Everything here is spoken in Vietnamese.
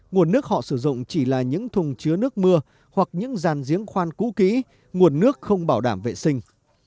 nguồn nước họ sử dụng chỉ là những thùng chứa nước mưa hoặc những dàn giếng khoan cũ kỹ nguồn nước không bảo đảm vệ sinh